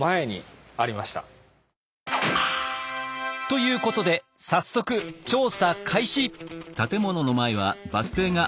ということで早速調査開始！